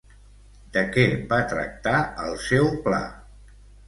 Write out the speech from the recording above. De què va tractar el seu pla?